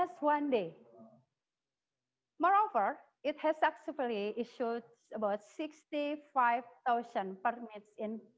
ini sangat menarik untuk melihat slide ini